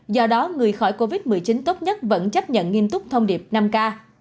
do đó người khỏi covid một mươi chín tốt nhất vẫn chấp nhận nghiêm túc thông điệp năm k